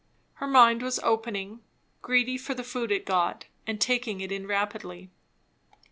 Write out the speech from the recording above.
Her mind was opening, greedy for the food it got, and taking it in rapidly.